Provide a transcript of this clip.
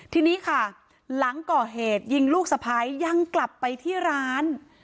ทีนี้ค่ะหลังก่อเหตุยิงลูกสะพ้ายยังกลับไปที่ร้าน